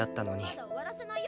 まだ終わらせないよ